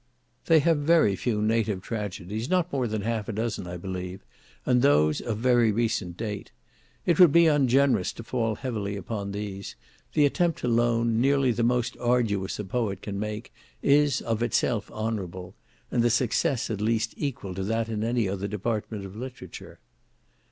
They have very few native tragedies; not more than half a dozen I believe, and those of very recent date. It would be ungenerous to fall heavily upon these; the attempt alone, nearly the most arduous a poet can make, is of itself honourable: and the success at least equal to that in any other department of literature.